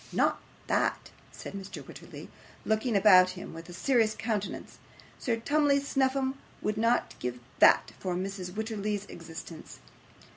'Not THAT,' said Mr. Wititterly, looking about him with a serious countenance. 'Sir Tumley Snuffim would not give that for Mrs Wititterly's existence.